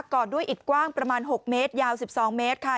อดด้วยอิดกว้างประมาณ๖เมตรยาว๑๒เมตรค่ะ